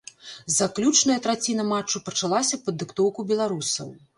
Заключная траціна матчу пачалася пад дыктоўку беларусаў.